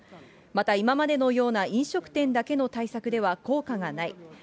また今までのような飲食店だけの対策では効果がない。